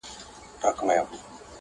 همېشه په ښو نمرو کامیابېدله،